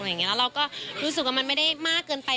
แล้วเราก็รู้สึกว่ามันไม่ได้มากเกินไป